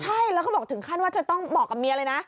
ใช่แล้วก็บอกถึงขั้นว่าจะต้องบอกกับเมียเลยนะ